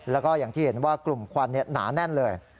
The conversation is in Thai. แล้วก็อย่างที่เห็นว่ากลุ่มควันหนาแน่นเลย